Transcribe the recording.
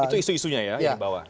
itu isu isunya ya yang dibawa